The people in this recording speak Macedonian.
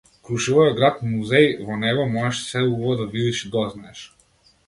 Крушево е град музеј во него можеш се убаво да видиш и дознаеш.